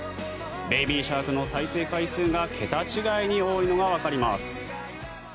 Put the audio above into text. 「ベイビー・シャーク」の再生回数が桁違いに多いのがわかります。